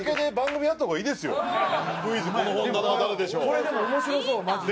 これでも面白そうマジで。